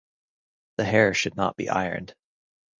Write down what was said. The hair should not be ironed.